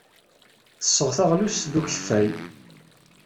Ttesseɣ taɣlust ed ukeffay.